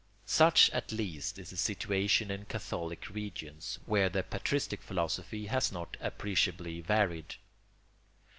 Such, at least, is the situation in Catholic regions, where the Patristic philosophy has not appreciably varied.